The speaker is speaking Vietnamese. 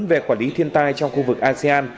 về quản lý thiên tai trong khu vực asean